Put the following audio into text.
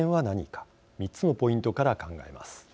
３つのポイントから考えます。